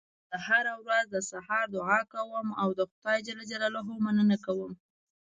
زه هره ورځ د سهار دعا کوم او د خدای ج مننه کوم